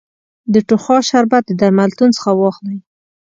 د ټوخا شربت د درملتون څخه واخلی